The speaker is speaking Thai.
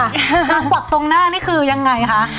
ปากตรงหน้านี่คือยังไงคะ